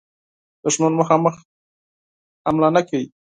دښمن مخامخ حمله نه کوي.